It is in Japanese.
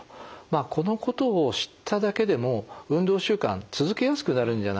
このことを知っただけでも運動習慣続けやすくなるんじゃないでしょうかね。